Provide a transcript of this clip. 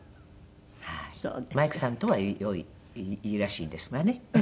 マイクさんとは良いいいらしいですがね